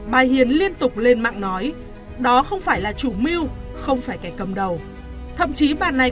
bà hiền liên tục lên mạng nói đó không phải là chủ mưu không phải kẻ cầm đầu thậm chí bà này